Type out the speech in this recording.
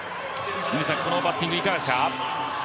このバッティングいかがですか？